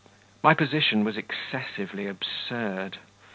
My position was excessively absurd.